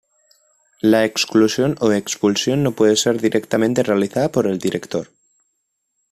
La exclusión o expulsión no puede ser directamente realizada por el director.